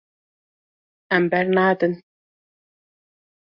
Em bernadin.